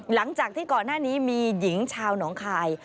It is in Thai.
หลังจากที่ก่อนหน้านี้มีหญิงชาวหนองคาย